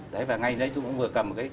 đấy và ngay đây tôi cũng vừa cầm